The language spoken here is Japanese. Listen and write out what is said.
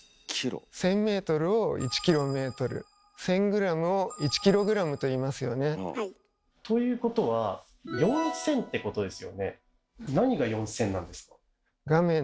１，０００メートルを１キロメートル１，０００グラムを１キログラムといいますよね。ということは４，０００ってことですよね。